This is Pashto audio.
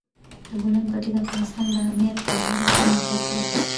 د بولان پټي د افغانستان د امنیت په اړه هم اغېز لري.